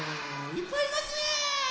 いっぱいいますね。